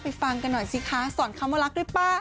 ฟังกันหน่อยสิคะสอนคำว่ารักด้วยป่ะ